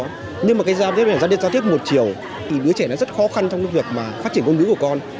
nhưng mà gia đình giao tiếp một chiều thì đứa trẻ rất khó khăn trong việc phát triển công đức của con